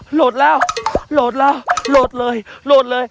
โหลดแล้วโหลดแล้วโหลดเลยโหลดเลย